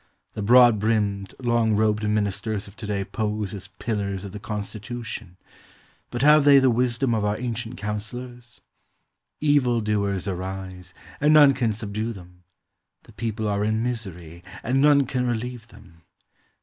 The broad brimmed, long robed ministers of to day pose as pillars of the constitution; but have they the wisdom of our ancient counselors? Evil doers arise, and none can subdue them. The people are in misery, and none can relieve them.